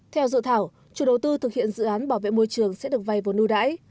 theo dự thảo chủ đầu tư thực hiện dự án bảo vệ môi trường sẽ được vay vốn ưu đãi